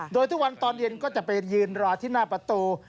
โดยทุกวันตอนเย็นก็จะไปยืนรอที่หน้าประตู